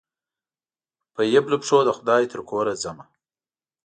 په يبلو پښو دخدای ج ترکوره ځمه